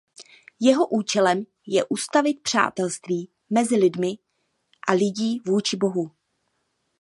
Jeho účelem je ustavit přátelství mezi lidmi a lidí vůči Bohu.